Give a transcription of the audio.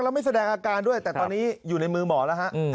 แล้วไม่แสดงอาการด้วยแต่ตอนนี้อยู่ในมือหมอแล้วฮะ